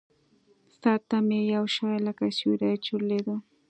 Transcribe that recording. سر ته مې يو شى لکه سيورى چورلېده.